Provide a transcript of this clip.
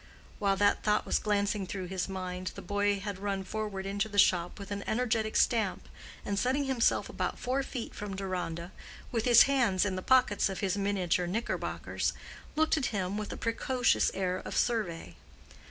While that thought was glancing through his mind, the boy had run forward into the shop with an energetic stamp, and setting himself about four feet from Deronda, with his hands in the pockets of his miniature knickerbockers, looked at him with a precocious air of survey.